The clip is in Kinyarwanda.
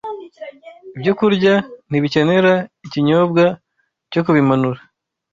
Ibyokurya ntibikenera ikinyobwa cyo kubimanura